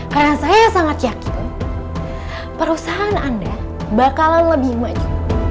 karena saya sangat yakin perusahaan anda bakalan lebih maju